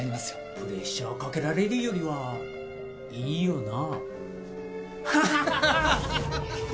プレッシャーかけられるよりはいいよな